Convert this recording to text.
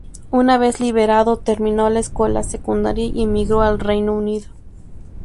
Una vez liberado, terminó la escuela secundaria y emigró al Reino Unido.